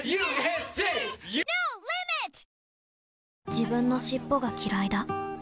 自分の尻尾がきらいだ